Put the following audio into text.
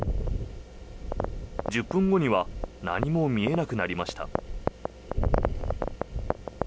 １０分後には何も見えなくなりました。